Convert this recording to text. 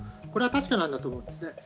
これは確かなんだと思うんですね。